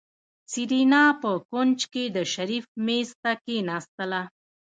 سېرېنا په کونج کې د شريف مېز ته کېناستله.